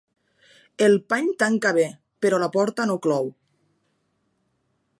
El pany tanca bé, però la porta no clou.